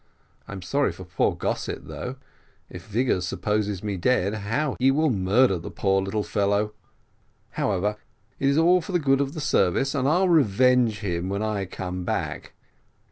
I'm sorry for poor Gossett though; if Vigors supposes me dead how he will murder the poor little fellow however, it's all for the good of the service, and I'll revenge him when I come back.